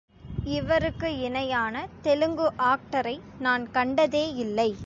இவருக்கு இணையான தெலுங்கு ஆக்டரை நான் கண்டதேயில்லை.